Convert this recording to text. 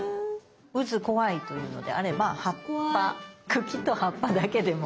うず怖いというのであれば茎と葉っぱだけでも。